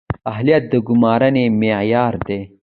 اهلیت د ګمارنې معیار دی